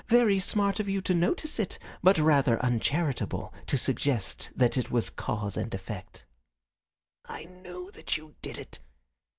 Very smart of you to notice it, but rather uncharitable to suggest that it was cause and effect." "I knew that you did it."